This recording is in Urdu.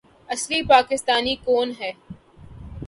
اصلی پاکستانی کون ہے